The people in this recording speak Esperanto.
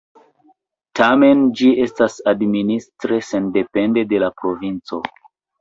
Tamen ĝi estas administre sendepende de la provinco.